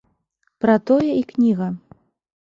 Пра тое і кніга.